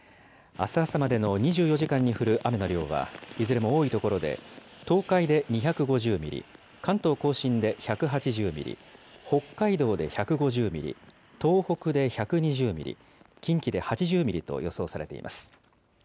あす朝までの２４時間に降る雨の量はいずれも多い所で、東海で２５０ミリ、関東甲信で１８０ミリ、北海道で１５０ミリ、東北で１２０ミリ、近畿で８０ミリと予想されています。